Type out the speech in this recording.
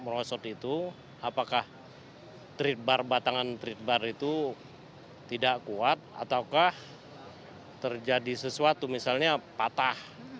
merosot itu apakah treat bar batangan treat bar itu tidak kuat ataukah terjadi sesuatu misalnya patah